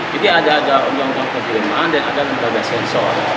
jadi ada undang undang kefilman dan ada lembaga sensor